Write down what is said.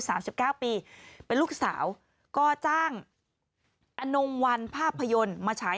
สามสิบเก้าปีเป็นลูกสาวก็จ้างอนงวันภาพยนตร์มาฉาย